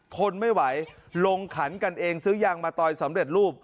ทนไม่ไหวลงขันกันเองซื้อยางมะตอยสำเร็จรูป